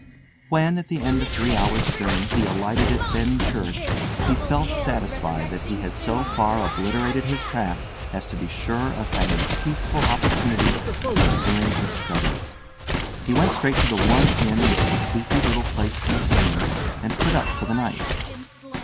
When at the end of three hours' journey he alighted at Benchurch, he felt satisfied that he had so far obliterated his tracks as to be sure of having a peaceful opportunity of pursuing his studies. He went straight to the one inn which the sleepy little place contained, and put up for the night.